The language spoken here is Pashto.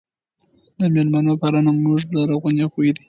د مېلمنو پالنه زموږ لرغونی خوی دی.